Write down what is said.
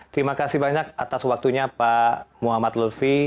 terima kasih banyak atas waktunya pak muhammad lutfi